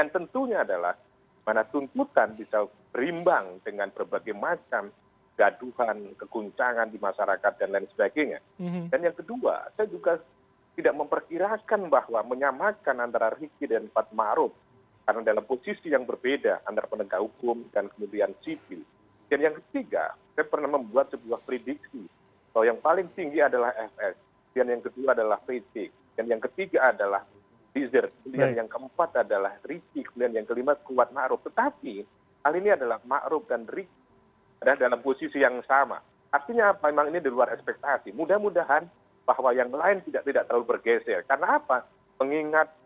terima kasih pak suparji